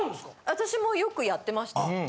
私もよくやってました。